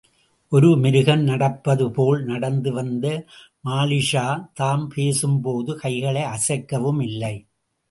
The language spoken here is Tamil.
ஒரு மிருகம் நடப்பதுபோல் நடந்து வந்த மாலிக்ஷா தாம் பேசும்போது கைகளை அசைக்கவும் இல்லை.